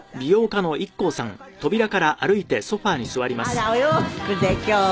あらお洋服で今日は。